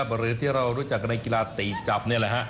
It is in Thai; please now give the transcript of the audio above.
บริเวณที่เรารู้จักในกีฬาตีจับนี่แหละฮะ